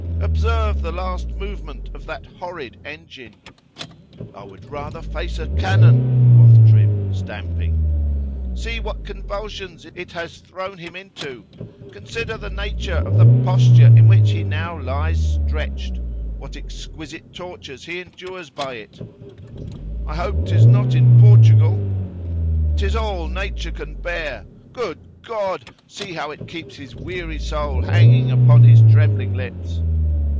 "Observe the last movement of that horrid engine!"—[I would rather face a cannon, quoth Trim, stamping.)—"See what convulsions it has thrown him into!——Consider the nature of the posture in which he how lies stretched,—what exquisite tortures he endures by it!"—[I hope 'tis not in Portugal.]—"'Tis all nature can bear! Good God! see how it keeps his weary soul hanging upon his trembling lips!"